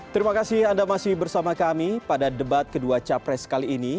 terima kasih anda masih bersama kami pada debat kedua capres kali ini